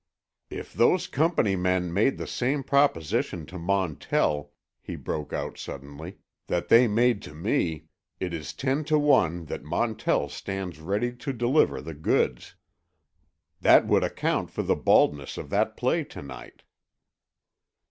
"If those Company men made the same proposition to Montell," he broke out suddenly, "that they made to me, it is ten to one that Montell stands ready to deliver the goods. That would account for the baldness of that play to night."